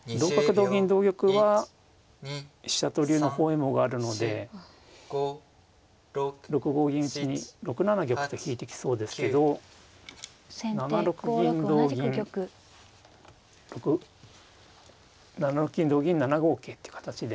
同銀同玉は飛車と竜の包囲網があるので６五銀打に６七玉と引いてきそうですけど７六銀同銀７五桂っていう形で。